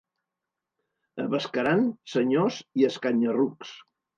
A Bescaran, senyors i escanya-rucs.